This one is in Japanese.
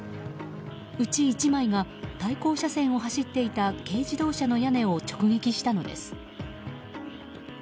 うち１枚が対向車線を走っていた軽自動車の屋根を直撃したのです。